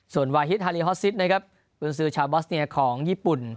ส่วนวายฮิตฮารีฮอทซิตนะครับบริษัทชาวบอสเนียของญี่ปุ่น